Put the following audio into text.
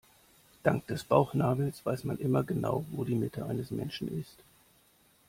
Dank des Bauchnabels weiß man immer genau, wo die Mitte eines Menschen ist.